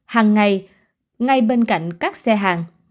hàng ngày ngay bên cạnh các xe hàng